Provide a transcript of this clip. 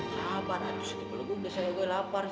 sabar satu belum desa ya gue lapar